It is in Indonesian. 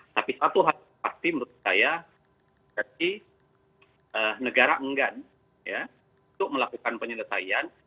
tapi satu hal pasti menurut saya berarti negara enggan untuk melakukan penyelesaian